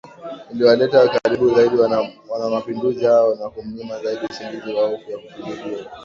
Iliwaleta karibu zaidi wanamapinduzi hao na kumnyima zaidi usingizi kwa hofu ya kupinduliwa